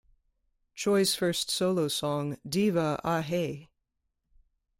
Choi's first solo song, Diva, Ah Hey!